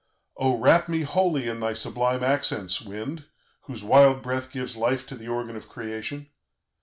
"Oh, wrap me wholly in thy sublime accents, wind, whose wild breath gives life to the organ of Creation!